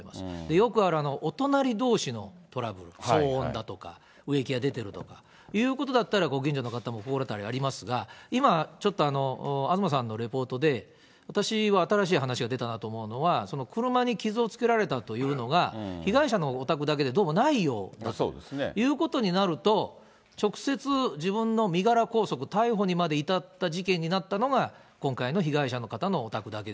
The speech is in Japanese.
よくあるお隣どうしのトラブル、騒音だとか、植木が出てるとかいうことだったら、ご近所の方も心当たりありますが、今、ちょっと東さんのレポートで、私は新しい話が出たなと思うのは、車に傷をつけられたというのが、被害者のお宅だけでどうもないようだということになると、直接、自分の身柄拘束、逮捕にまで至った事件になったのが今回の被害者の方のお宅だけ。